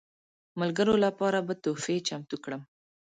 ملګرو لپاره به تحفې چمتو کړم.